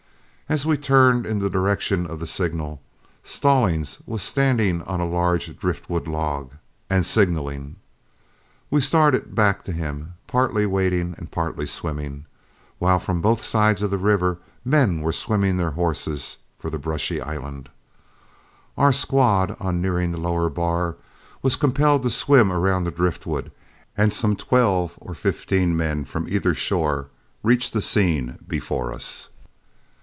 As we turned in the direction of the signal, Stallings was standing on a large driftwood log, and signaling. We started back to him, partly wading and partly swimming, while from both sides of the river men were swimming their horses for the brushy island. Our squad, on nearing the lower bar, was compelled to swim around the driftwood, and some twelve or fifteen men from either shore reached the scene before us.